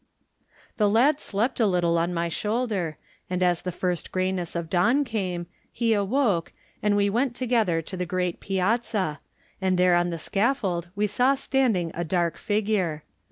The lad slept a little on my shoulder, and as the first grayness of dawn came he awoke, and we went together to the great piazza, and there on the scaffold we saw standing a dark figure.